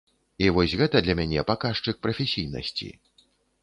І вось гэта для мяне паказчык прафесійнасці.